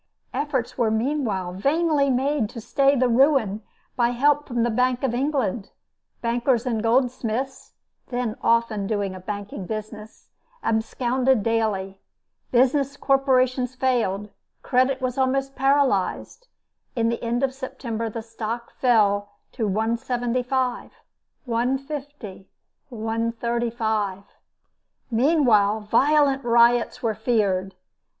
Efforts were meanwhile vainly made to stay the ruin by help from the Bank of England. Bankers and goldsmiths (then often doing a banking business) absconded daily. Business corporations failed. Credit was almost paralyzed. In the end of September, the stock fell to 175, 150, 135. Meanwhile violent riots were feared.